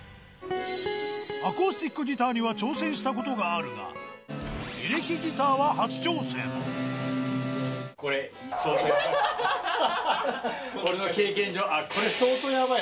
アコースティックギターには挑戦したことがあるが、これ、相当やばい。